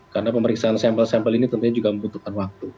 karena pemeriksaan sampel sampel ini tentunya juga membutuhkan waktu